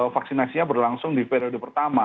vaksinasinya berlangsung di periode pertama